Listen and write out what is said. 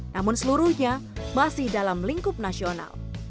namun seluruhnya masih dalam lingkup nasional